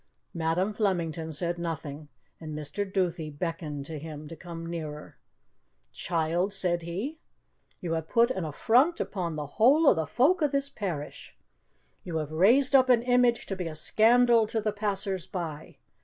Madam Flemington said nothing, and Mr. Duthie beckoned to him to come nearer. "Child," said he, "you have put an affront upon the whole o' the folk of this parish. You have raised up an image to be a scandal to the passers by.